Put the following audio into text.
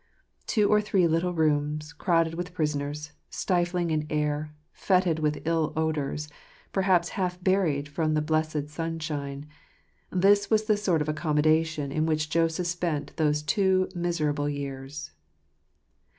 Two or three little rooms, crowded with prisoners, stifling in air, foetid with ill odours, perhaps half buried from the blessed sunshine — this was the sort of accommodation in which Joseph spent those two miserable years.